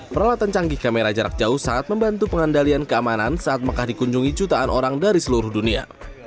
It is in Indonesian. peralatan canggih kamera jarak jauh sangat membantu pengendalian keamanan saat mekah dikunjungi jutaan orang dari seluruh dunia